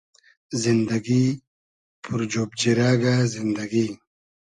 زیندئگی پور جۉب جیرئگۂ زیندئگی